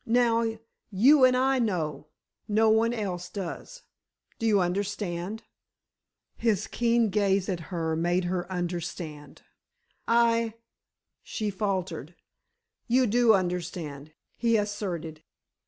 Now, you and I know. No one else does. Do you understand?" His keen gaze at her made her understand. "I——" she faltered. "You do understand," he asserted.